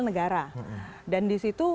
negara dan disitu